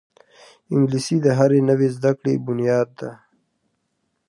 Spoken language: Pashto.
انګلیسي د هرې نوې زده کړې بنیاد ده